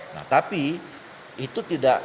nah tapi itu tidak